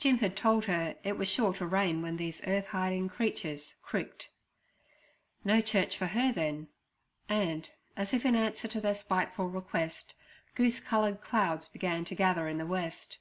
Jim had told her it was sure to rain when these earth hiding creatures 'cricked' No church for her, then; and, as if in answer to their spiteful request, goose coloured clouds began to gather in the west.